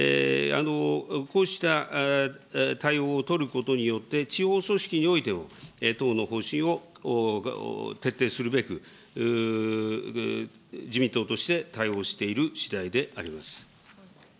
こうした対応を取ることによって、地方組織においても、党の方針を徹底するべく、自民党として対応しているしだいであります。